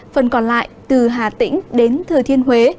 phần còn lại từ hà tĩnh đến thừa thiên huế